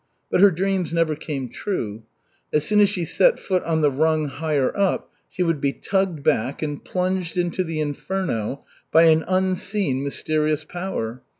But her dreams never came true. As soon as she set foot on the rung higher up, she would be tugged back and plunged into the inferno by an unseen, mysterious power.